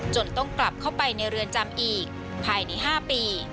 ต้องกลับเข้าไปในเรือนจำอีกภายใน๕ปี